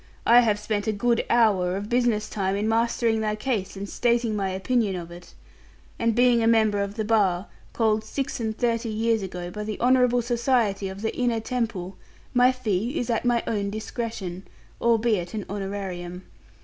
I have spent a good hour of business time in mastering thy case, and stating my opinion of it. And being a member of the bar, called six and thirty years agone by the honourable society of the Inner Temple, my fee is at my own discretion; albeit an honorarium.